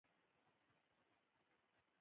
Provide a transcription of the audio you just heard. ګرمې جامې ماشوم له یخنۍ ساتي۔